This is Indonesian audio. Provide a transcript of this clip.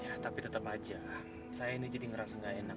ya tapi tetap aja saya ini jadi ngerasa gak enak